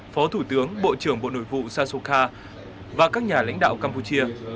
phó thủ tướng bộ trưởng bộ nội vụ sasoka và các nhà lãnh đạo campuchia